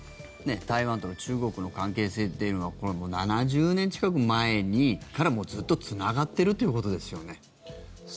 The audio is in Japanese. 台湾と中国の関係性っていうのが７０年近くも前からずっとつながってるということですよね。